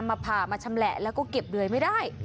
มาผ่ามาชำแหละแล้วก็เก็บเดยงูเหลืองไม่ได้